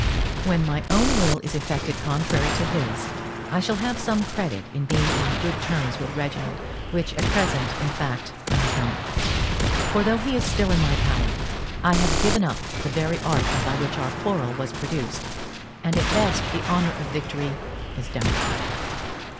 When my own will is effected contrary to his, I shall have some credit in being on good terms with Reginald, which at present, in fact, I have not; for though he is still in my power, I have given up the very article by which our quarrel was produced, and at best the honour of victory is doubtful.